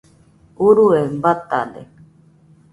urue batade